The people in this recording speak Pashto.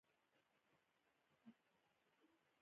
له احمده سودا مه اخلئ؛ هغه بېخي کفنونه کاږي.